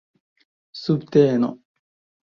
subteno